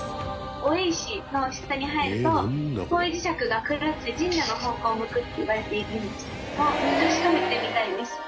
王位石の下に入ると方位磁石が狂って神社の方向を向くっていわれているんですけども。